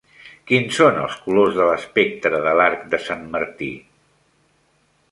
Quins són els colors de l'espectre de l'arc de Sant Martí?